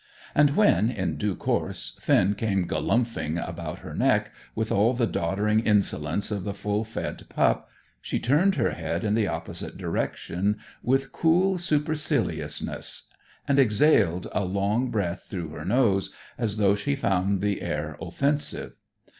And when, in due course, Finn came galumphing about her neck, with all the doddering insolence of the full fed pup, she turned her head in the opposite direction with cool superciliousness, and exhaled a long breath through her nose, as though she found the air offensive.